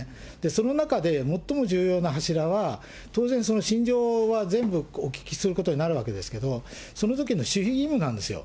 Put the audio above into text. その中で最も重要な柱は、当然、その心情は全部お聞きすることになるわけですけど、そのときの守秘義務なんですよ。